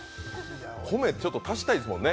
米、ちょっと足したいですもんね。